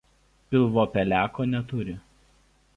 Pilvo peleko neturi.